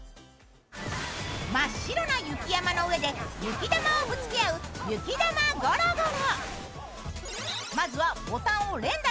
真っ白な雪山の上で雪玉をぶつけ合う「ゆきだまゴロゴロ」。